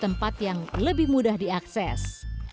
tempat yang lebih mudah diakses